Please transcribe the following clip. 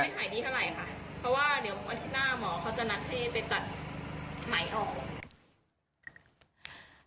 เพราะว่าเดี๋ยววันที่หน้าหมอเขาจะนัดให้ไปจัดไหมออก